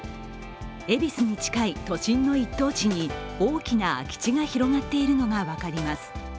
恵比寿に近い都心の一等地に大きな空き地が広がっているのが分かります。